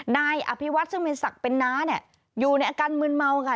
นายอภิวัติชมิสักเป็นน้าอยู่ในอาการมืนเมาค่ะ